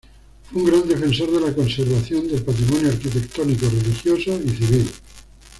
Fue un gran defensor de la conservación del patrimonio arquitectónico religioso y civil.